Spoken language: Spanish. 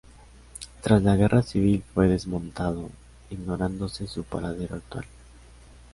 Tras la guerra civil fue desmontado, ignorándose su paradero actual.